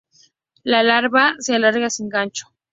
La larva se alarga sin gancho.